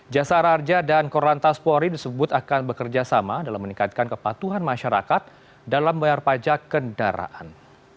jasa raharja dan korlantas pori disebut akan bekerjasama dalam meningkatkan kepatuhan masyarakat dalam wayar pajak kendaraan